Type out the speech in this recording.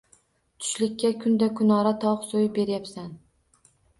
Tushlikka kunda-kunora tovuq so‘yib beryapsan